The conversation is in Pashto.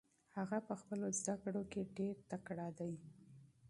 هغه په خپلو زده کړو کې ډېر تکړه دی.